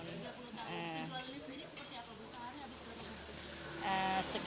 tinggal ini sendiri seperti apa